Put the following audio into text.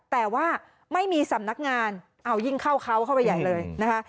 แต่ว่าไม่มีสำนักงานเอายิ่งเข้าเขาเข้าไปใหญ่เลยนะคะ